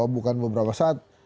bukan beberapa saat